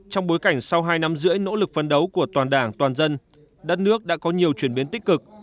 trong bối cảnh sau hai năm rưỡi nỗ lực phấn đấu của toàn đảng toàn dân đất nước đã có nhiều chuyển biến tích cực